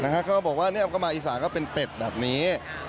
เขาบอกว่าก็มาอีสานก็เป็นเป็ดแบบนี้